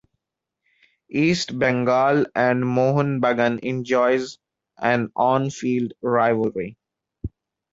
East Bengal and Mohun Bagan enjoys an on field rivalry.